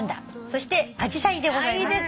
そしてアジサイでございます。